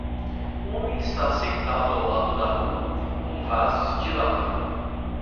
Um homem está sentado ao lado da rua com vasos de latão.